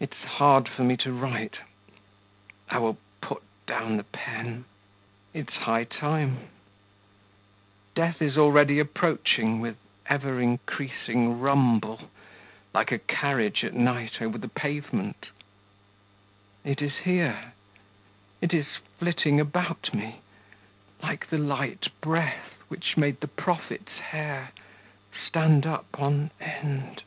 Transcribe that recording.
It's hard for me to write.... I will put down the pen.... It's high time; death is already approaching with ever increasing rumble, like a carriage at night over the pavement; it is here, it is flitting about me, like the light breath which made the prophet's hair stand up on end.